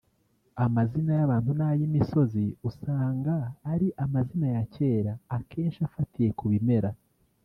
Amazina y’abantu n’ay’imisozi usanga ari amazina ya kera akenshi afatiye ku bimera